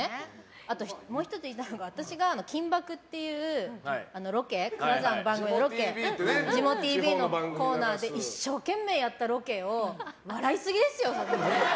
あともう１つ言いたいのが私が「金バク！」っていう金沢の番組のロケジモＴＶのコーナーで一生懸命やったロケを笑いすぎですよ？